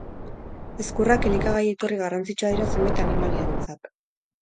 Ezkurrak elikagai-iturri garrantzitsua dira zenbait animaliarentzat.